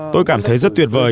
tôi cảm thấy rất tuyệt vời